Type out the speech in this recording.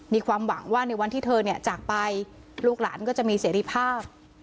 มีความหวังว่าในวันที่เธอจากไปลูกหลานก็จะมีเสรีภาพ